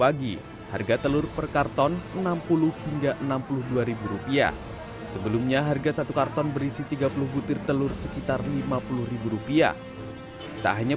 ada yang sampai rp enam puluh ya